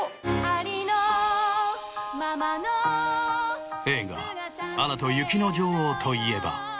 ありのままの映画『アナと雪の女王』といえば。